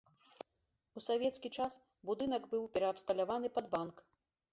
У савецкі час будынак быў пераабсталяваны пад банк.